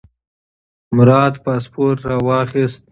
مراد پاسپورت راواخیست.